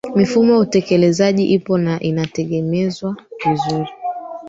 mifumo ya utekelezaji ipo na inategemezwa vizuri